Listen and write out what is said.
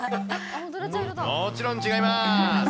もちろん違います。